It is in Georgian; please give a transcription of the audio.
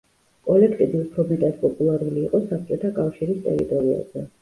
კოლექტივი უფრო მეტად პოპულარული იყო საბჭოთა კავშირის ტერიტორიაზე.